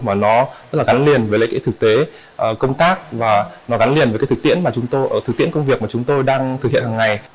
mà nó rất là gắn liền với lễ kỹ thực tế công tác và gắn liền với thực tiễn công việc mà chúng tôi đang thực hiện hằng ngày